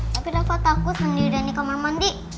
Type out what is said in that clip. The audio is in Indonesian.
tapi rafa takut sendiri di kamar mandi